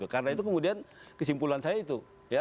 karena itu kemudian kesimpulan saya itu